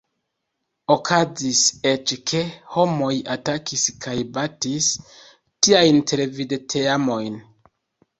Okazis eĉ, ke homoj atakis kaj batis tiajn televid-teamojn.